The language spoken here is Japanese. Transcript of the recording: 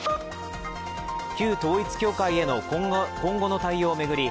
旧統一教会への今後の対応を巡り